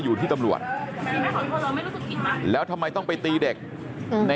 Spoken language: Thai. ลูกสาวหลายครั้งแล้วว่าไม่ได้คุยกับแจ๊บเลยลองฟังนะคะ